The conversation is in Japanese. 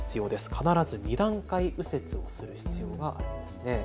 必ず２段階右折をする必要があります。